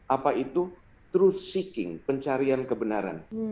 apa itu truth seeking pencarian kebenaran